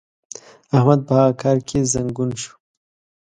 احمد په هغه کار کې زنګون شو.